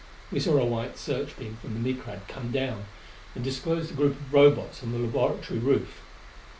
We saw a white search beam from the Micrad come down and disclosed a group of Robots on the laboratory roof.